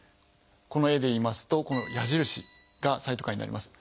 この絵でいいますとこの矢印がサイトカインになります。